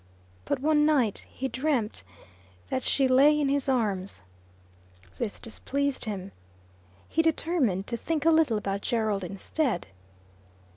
But one night he dreamt that she lay in his arms. This displeased him. He determined to think a little about Gerald instead.